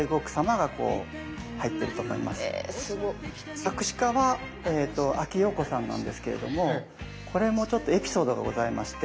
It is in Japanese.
作詞家はえと阿木燿子さんなんですけれどもこれもちょっとエピソードがございまして。